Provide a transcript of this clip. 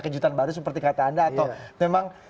kejutan baru seperti kata anda atau memang